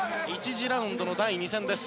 次ラウンドの第２戦です。